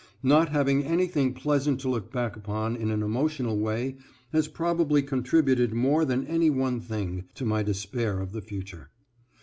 Not having anything pleasant to look back upon in an emotional way, has probably contributed more than any one thing, to my despair of the future.